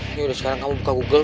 ini udah sekarang kamu buka google